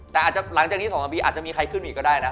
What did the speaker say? แต่อาจจะหลังจากนี้๒๓ปีอาจจะมีใครขึ้นมาอีกก็ได้นะ